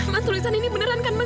ma tulisan ini beneran kan ma